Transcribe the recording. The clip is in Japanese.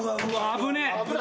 危ねえ。